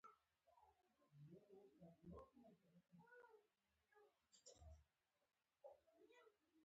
لار ښودونکی دی له الله تعالی څخه ډاريدونکو ته